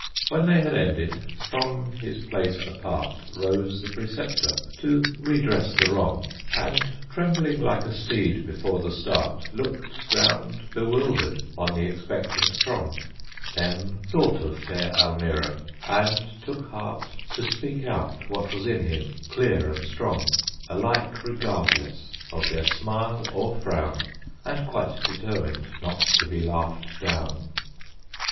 When they had ended, from his place apart, Rose the Preceptor, to redress the wrong, And, trembling like a steed before the start, Looked round bewildered on the expectant throng; Then thought of fair Almira, and took heart To speak out what was in him, clear and strong, Alike regardless of their smile or frown, And quite determined not to be laughed down.